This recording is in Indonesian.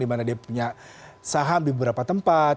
dimana dia punya saham di beberapa tempat